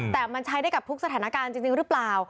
แต่มันใช้ได้กับทุกสถานการณ์จริงหรือเปล่า